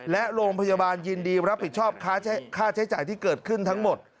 และโรงพยาบาลยินดีรับผิดชอบค่าใช้จ่ายที่เกิดขึ้นทั้งหมด